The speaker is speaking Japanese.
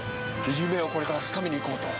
夢をこれからつかみにいこうと。